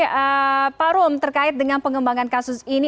jadi pak rum terkait dengan pengembangan kasus ini